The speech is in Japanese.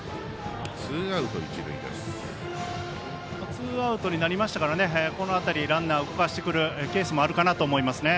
ツーアウトになりましたからこの辺りランナーを動かしてくるケースもあるかなと思いますね。